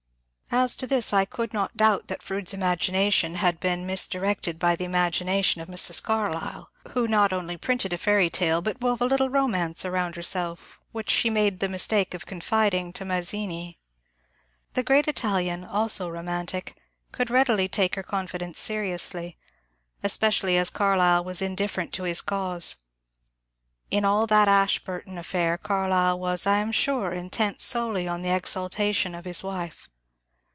As to this, I could not doubt that Fronde's imagination had been misdirected by the ima^ation of Mrs. Carlyle, who not only printed a fairy tale, but wove a little romance around herself which she made the mistake of confiding to Mazzini. The great Italian, also romantic, could readily take her confi dence seriously — especially as Carlyle was indifferent to his cause. In all that Ashburton affair Carlyle was, I am sure, intent solely on the exaltation of his wife.